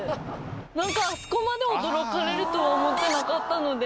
何かあそこまで驚かれるとは思ってなかったので。